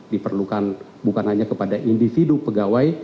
diperlukan bukan hanya kepada individu pegawai